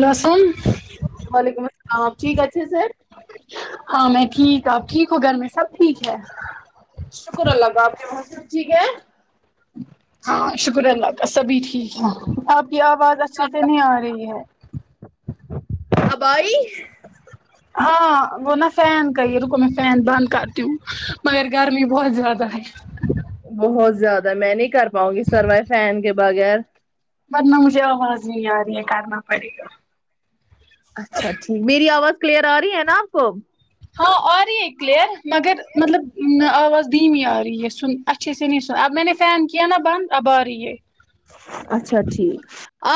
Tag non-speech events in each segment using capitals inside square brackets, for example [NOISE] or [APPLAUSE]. لہسن وعلیکم السلام ٹھیک اچھا سر ہاں میں ٹھیک آپ ٹھیک ہووں گھر میں سب ٹھیک ہے شکر اللہ کا آپ کے وہا سب ٹھیک ہے ہاں شکر اللہ کا سبھی ٹھیک ہے آپ کی آواز اچھے سے نہیں آ رہی ہے اب آ رہی ہے ہاں وہ نا فین کای رکو میں فین بند کرتی ہوں مگر گرمی بہت زیادہ ہے بہت زیادہ میں نہیں کر پاؤں گی سروائو فین کے بغیر ورنہ مجھے آواز نہیں آ رہی ہے کرنا پڑے گا اچھا ٹھیک میری آواز کلیئر آ رہی ہے نا آپ کو ہاں آرہی ہے کلیئر مگر مطلب آواز دھیمی آ رہی ہے سن اچھی سے سن آب میں نے فین کیا نہ بند اب آرہی ہے اچھا ٹھیک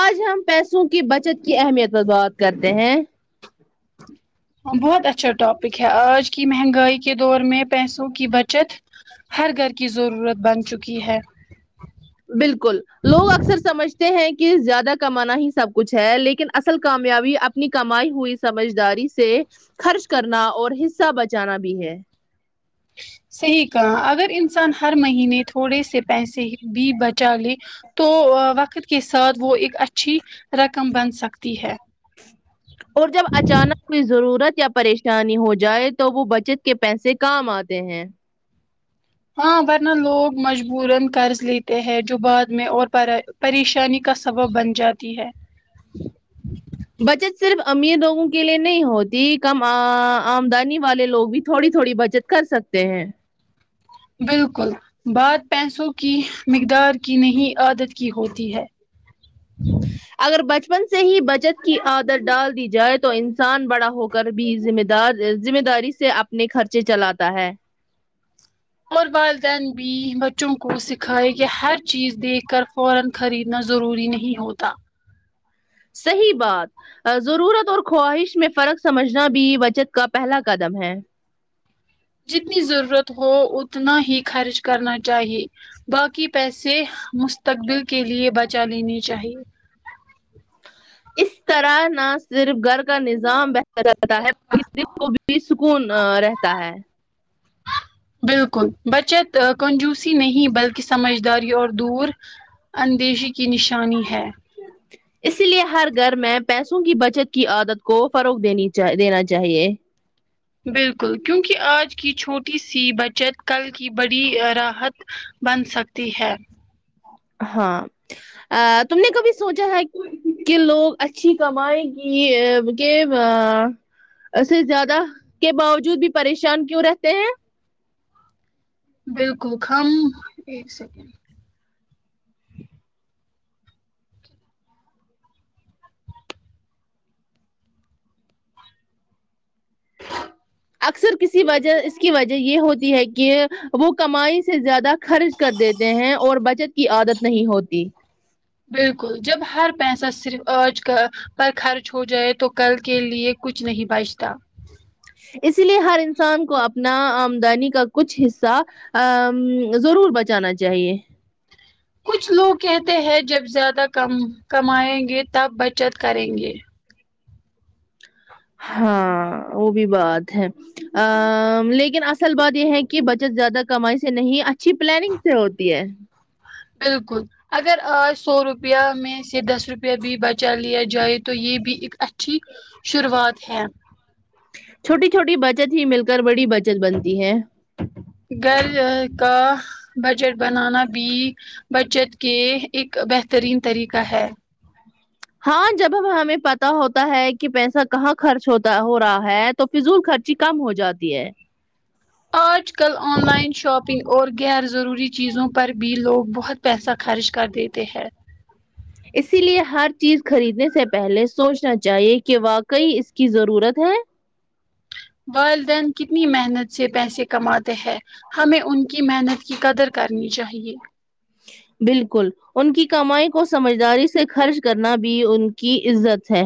آج ہم پیسوں کی بچت کی اہمیت پر بات کرتے ہیں بہت اچھا ٹاپک ہے آج کی مہنگائی کے دور میں پیسوں کی بچت ہر گھر کی ضرورت بن چکی ہے بالکل لوگ اکثر سمجھتے ہیں کہ زیادہ کمانا ہی سب کچھ ہے لیکن اصل کامیابی اب اپنی کمائی ہوئی سمجھداری سے خرچ کرنا اور حصہ بچانا بھی ہے صحیح کہا اگر انسان ہر مہینے تھوڑے سے پیسے بھی بچ چالی تو وقت کے ساتھ وہ ایک اچھی رقم بن سکتی ہے اور جب اچانک کوئی ضرورت یا پریشانی ہو جائے تو وہ بچت کے پیسے کام آتے ہیں ہاں ورنہ لوگ مجبورن قرض لیتے ہیں جو بعد میں اور پراے پریشانی کا سبب بن جاتی ہے بچت صرف امیر لوگوں کے لیے نہیں ہوتی کم آ آمدنی والے لوگ بھی تھوڑی تھوڑی بچ کر سکتے ہیں بالکل بات پیسوں کی مقدار کی نہیں عادت کی ہوتی ہے اگر بچپن سے ہی بچت کی عادت ڈال دی جائے تو انسان بڑا ہو کر بھی ذمہ دار ذمہ داری سے اپنے خرچے چلاتا ہے اور والدین بھی بچوں کو سکھائے کہ ہر چیز دیکھ کر فورا خریدنا ضروری نہیں ہوتا صحیح بات ضرورت اور خواہش میں فرق سمجھنا بھی بچت کا پہلا قدم ہے جتنی ضرورت ہو اتنا ہی خرچ کرنا چاہیے باقی پیسے مستقبل کے لیے بچا لینی چاہیے اس طرح نہ صرف گھر کا نظام بہ [INAUDIBLE] ہے دل کو بھی سکون رہتا ہے بالکل بچت کنجوسی نہیں بلکہ سمجھداری اور دور اندیشی کی نشانی ہے کیا اسی لیے ہر گھر میں پیسوں کی بچت کی عادت کو فروغ دینی دینا چاہیے بالکل کیونکہ آج کی چھوٹی سی بچت کل کی بڑی راحت بن سکتی ہے ہاں ا تم نے کبھی سوچا ہے کہ کہ لوگ اچھی کمائے کی کہوا ایسے زیادہ کے باوجود بھی پریشان کیوں رہتے ہیں بالکل خم ایک سیکنڈ اکثر کسی وجہ اس کی وجہ یہ ہوتی ہے کہ وہ کمائی سے زیادہ خرچ کر دیتے ہیں اور بچت کی عادت نہیں ہوتی بالکل جب ہر پیسہ صرف آج کا پر خرچ ہو جائے تو کل کے لیے کچھ نہیں بجتا اسی لیے ہر انسان کو اپنا آمدنی کا کچھ حصہ ا ضرور بچانا چاہیے کچھ لوگ کہتے ہیں جب زیادہ کم کمائیں گے تب بچت کریں گے ہاں وہ بھی بات ہے ا لیکن اصل بات یہ ہے کہ بچت زیادہ کمائی سے نہیں اچھی پلاننگ سے ہوتی ہے بالکل اگر آج سو روپیہ میں سے دس روپیہ بھی بچا لیا جائے تو یہ بھی ایک اچھی شروعات ہے چھوٹی چھوٹی بچت ہی مل کر بڑی بچت بنتی ہے گھر کا بجٹ بنانا بھی بچت کے ایک بہترین طریقہ ہے ہاں جب ہم ہمیں پتا ہوتا ہے کہ پیسہ کہاں خرچ ہوتا ہو رہا ہے تو فضول خرچی کم ہو جاتی ہے آج کل آن لائن شاپنگ اور غیر ضروری چیزوں پر بھی لوگ بہت پیسہ خرچ کر دیتے ہے اسی لیے ہر چیز خریدنے سے پہلے سوچنا چاہیے کہ واقع اس کی ضرورت ہے والدین کتنی محنت سے پیسے کماتے ہیں ہمیں ان کی محنت کی قدر کرنی چاہیے بالکل ان کی کمائی کو سمجھداری سے خرچ کرنا بھی ان کی عزت ہے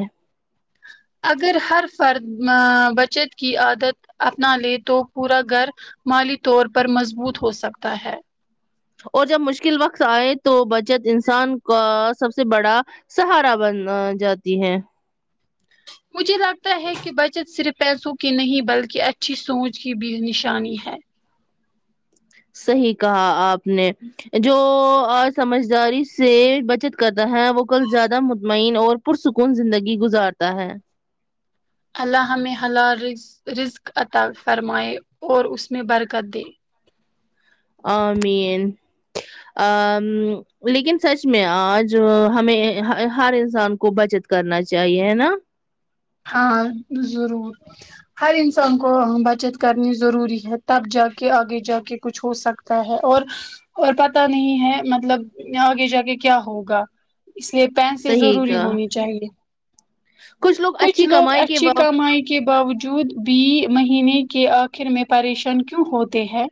اگر ہر فرد ا بچت کی عادت اپنا لے تو پورا گھر مالی طور پر مضبوط ہو سکتا ہے اور جب مشکل وقت آئے تو بچت انسان کا سب سے بڑا سہارا بن جاتی ہے مجھے لگتا ہے کہ بچت صرف پیسوں کی نہیں بلکہ اچھی سوچ کی بھی نشانی ہے صحیح کہا آپ نے جو آ سمجھداری سے بچت کرتا ہے وہ کل زیادہ مطمئن اور پرسکون زندگی گزارتا ہے اللہ ہمیں حلال رزق عطا فرمائے اور اس میں برکت دے آ مین ا لیکن سچ میں آج ہمیں ہر انسان کو بچت کرنا چاہیے ہے نا ہاں ضرور ہر انسان کو بچت کرنی ضروری ہے تب جا کے آگے جا کے کچھ ہو سکتا ہے اور اور پتا نہیں ہے مطلب آگے جا کے کیا ہوگا اس لیے پیسے صحیح ضروری کا ہونی چاہیے کچھ لوگ کچھ اچھی لوگ کمائی کے اچھی کمائی کے باوجود بھی مہینے کے آخر میں پریشان کیوں ہوتے ہیں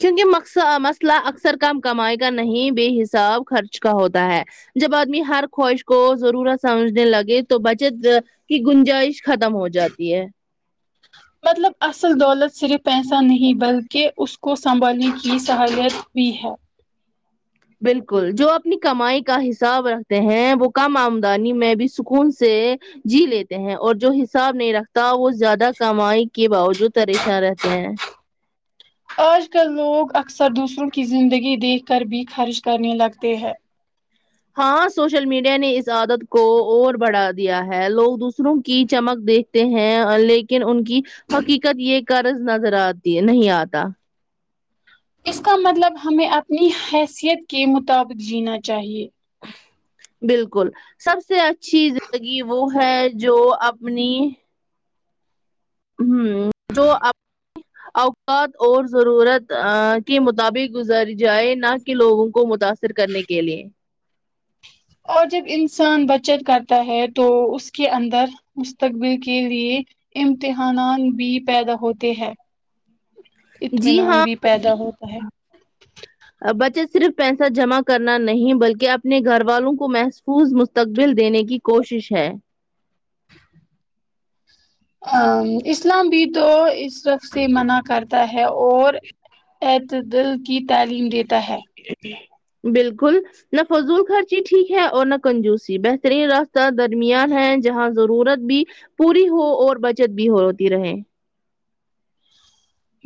کیونکہ مقسا مسئلہ اکثر کم کمائی کا نہیں بے حساب خرچ کا ہوتا ہے جب آدمی ہر خواہش کو ضرورت سمجنے لگے تو بچت کی گنجائش ختم ہو جاتی ہے مطلب اصل دولت صرف پیسہ نہیں بلکہ اس کو سنبھالنے کی صلاحیت بھی ہے بالکل جو اپنی کمائی کا حساب رکھتے ہیں وہ کم آمدنی میں بھی سکون سے جی لیتے ہیں اور جو حساب نہیں رکھتا وہ زیادہ کمائی کے باوجود پریشان رہتے ہیں آج کل لوگ اکثر دوسروں کی زندگی دیکھ کر بھی خرچ کرنے لگتے ہے ہاں سوشل میڈیا نے اس عادت کو اور بڑھا دیا ہے لوگ دوسروں کی چمک دیکھتے ہیں لیکن ان کی حقیقت یہ قرض نظر آتی ہے نہیں آتا اس کا مطلب ہمیں اپنی حیثیت کے مطابق جینا چاہیے بالکل سب سے اچھی زندگی وہ ہے جو اپنی ہوں جو اپ اوقات اور ضرورت ا کے مطابق گزاری جائے نہ کہ لوگوں کو متاثر کرنے کے لیے اور جب انسان بچت کرتا ہے تو اس کے اندر مستقبل کے لیے امتحانات بھی پیدا ہوتے ہیں جی اطمینان ہاں بھی پیدا ہوتا ہے بچت صرف پیسہ جمع کرنا نہیں بلکہ اپنے گھر والوں کو مح فوظ مستقبل دینے کی کوشش ہے ا اسلام بھی تو اس وف سے منع کرتا ہے اور دل کی تعلیم دیتا ہے بالکل نہ فضول خرچی ٹھیک ہے اور نہ کنجوسی بہترین راستہ درمیان ہے جہاں ضرورت بھی پوری ہو اور بچت بھی ہوتی رہے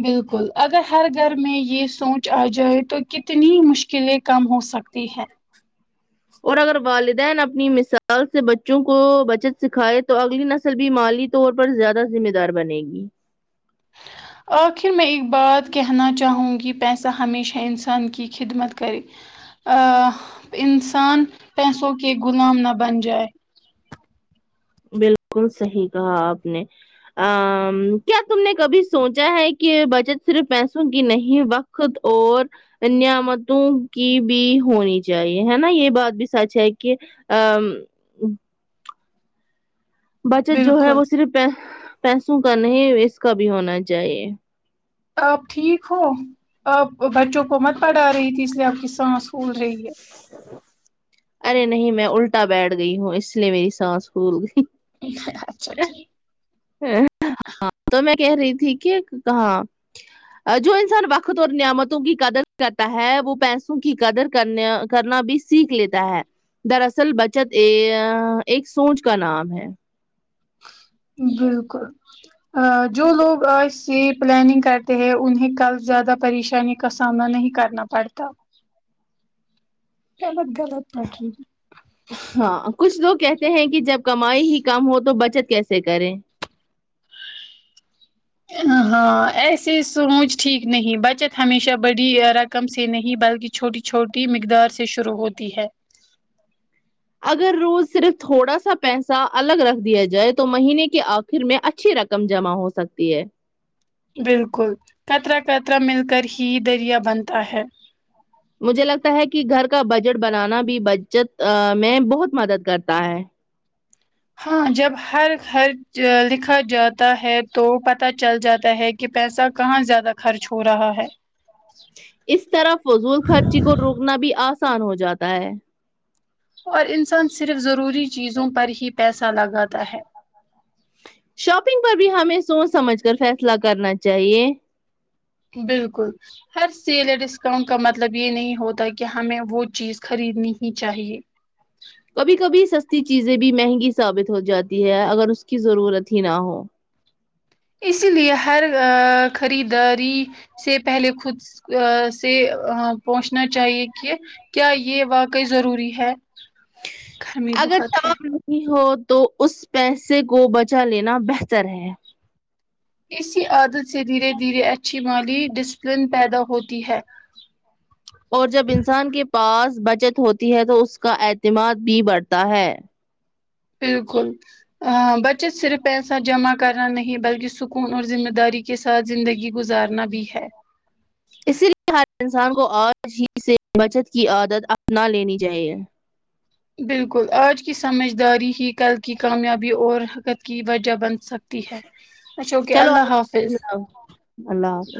بالکل اگر ہر گھر میں یہ سوچ آ جائے تو کتنی مشکلیں کم ہو سکتی ہے اور اگر والدین اپنی مثال سے بچوں کو بچت سکھائے تو اگلی نس ل بھی مالی طور پر زیادہ ذمہ دار بنے گی آخر میں ایک بات کہنا چاہوں گی پیسہ ہمیشہ انسان کی خدمت کرے ا ہ انسان پیسوں کے غلام نہ بن جائے بالکل صحیح کہا آپ نے ا کیا تم نے کبھی سوچا ہے کہ بچت صرف پیسوں کی نہیں وق ت اور نعمتوں کی بھی ہونی چاہیے ہے نا یہ بات بھی سچ ہے کہ ام بچت جو ہے بالکل وہ صرف پہ پیسوں کا نہیں اس کا بھی ہونا چاہیے آپ ٹھیک ہو آپ بچوں کو مت پڑھا رہی تھی اس لی آب کی سانس پھول رہی ہے ارے نہیں میں الٹا بیٹھ گئی ہوں اس لیے میری سانس پھول گئی اچھا ٹھیک ہاں تو میں کہہ رہی تھی کہ کہاں جو انسان وقت اور نعمتوں کی قدر کرتا ہے وہ پیسوں کی قدر کرنے کرنا بھی سیکھ لیتا ہے دراصل بچت ا ایک سوچ کا نام ہے بالکل جو لوگ آج سے پلاننگ کرتے ہیں انہیں کل زیادہ پریشانی کا سامنا نہیں کرنا پڑتا غلط غلط پڑ ری ہے ہاں کچھ لوگ کہتے ہیں کہ جب کمائی ہی کم ہو تو بچت کیسے کریں ہاں ایسی سوچ ٹھیک نہیں بچت ہمیشہ بڑی رقم سے نہیں بلکہ چھوٹی چھوٹی مقدار سے شروع ہوتی ہے اگر روز صرف تھوڑا سا پیسہ الگ رکھ دیا جائے تو مہینے کے آ خر میں اچھی رقم جمع ہو سکتی ہے بالکل خطرہ خطرہ مل کر ہی دریا بنتا ہے مجھے لگتا ہے کہ گھر کا بجٹ بنانا بھی بجت میں بہت مدد کرتا ہے ہاں جب ہر خرچ لکھا جاتا ہے تو پتہ چل جاتا ہے کہ پیسہ کہاں زیادہ خرچ ہو رہا ہے اس طرح فضول خرچی کو روکنا بھی آسان ہو جاتا ہے اور انسان صرف ضروری چیزوں پر ہی پیسہ لگاتا ہے شاپنگ پر بھی ہمیں سوچ سمجھ کر فیصلہ کرنا چاہیے بالکل ہر سیل یا ڈسکاؤنٹ کا مطلب یہ نہیں ہوتا کہ ہمیں وہ چیز خریدنی ہی چاہیے کبھی کبھی سستی چیزیں بھی مہنگی ثابت ہو جاتی ہے اگر اس کی ضرورت ہی نہ ہو اسی لیے ہر آ خریداری سے پہلے خود سے آ پہنچنا چاہیے کہ کیا یہ واقعی ضروری ہے گھر میں اگر بہت ہے کام نہیں ہو تو اس پیسے کو بچا لینا بہتر ہے اسی عادت سے دھیرے دھیرے اچھی مالی ڈسپلن پیدا ہوتی ہے اور جب انسان کے پاس بچت ہوتی ہے تو اس کا اعتماد بھی بڑھتا ہے بالکل بچت صرف پیسہ جمع کرنا نہیں بلکہ سکون اور ذمہ داری کے ساتھ زندگی گزارنا بھی ہے اسی لیے ہر انسان کو آج ہی سے بچت کی عادت اپنا لینی چاہیے بالکل آج کی سمجھداری ہی کل کی کامیابی اور بچت کی وجہ بن سک ہی ہے اچھا اوکے چلو اللہ حافظ اللہ حافظ